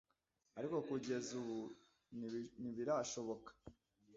ariko kugeza ubu ntibirashoboka.